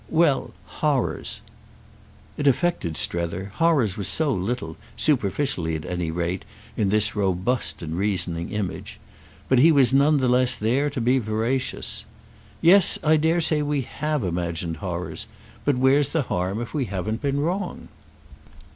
"Well—horrors." It affected Strether: horrors were so little—superficially at least—in this robust and reasoning image. But he was none the less there to be veracious. "Yes, I dare say we have imagined horrors. But where's the harm if we haven't been wrong?"